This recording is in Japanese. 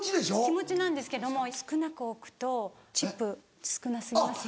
気持ちなんですけども少なく置くと「チップ少な過ぎますよ」